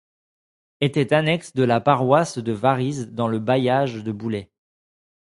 Était annexe de la paroisse de Varize dans le bailliage de Boulay.